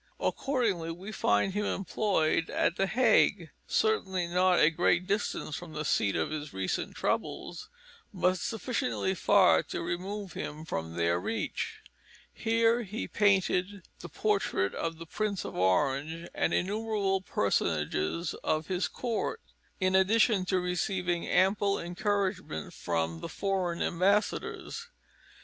Accordingly we find him employed at the Hague certainly not a great distance from the seat of his recent troubles, but sufficiently far to remove him from their reach. Here he painted the portrait of the Prince of Orange and innumerable personages of his Court, in addition to receiving ample encouragement from the foreign ambassadors.